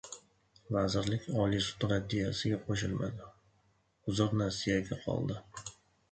Vazirlik Oliy sud raddiyasiga qo‘shilmadi, uzr nasiyaga qoldi